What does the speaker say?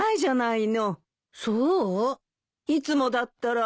いつもだったら。